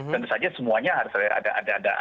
tentu saja semuanya harus ada dalam list nya